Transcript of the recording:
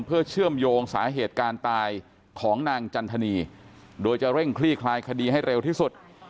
เพื่อเชื่อมโยงสาเหตุการณ์ตายของนางจันทนีโดยจะเร่งคลี่คลายคดีให้เร็วที่สุด